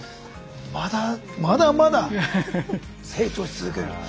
まだまだまだ成長し続ける。